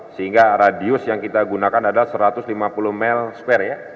sehingga radius yang kita gunakan adalah satu ratus lima puluh mil square ya